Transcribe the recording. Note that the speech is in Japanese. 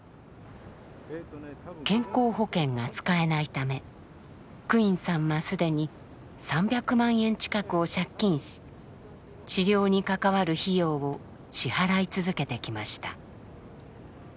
健康保険が使えないためクインさんは既に３００万円近くを借金し治療に関わる費用を支払い続けてきました。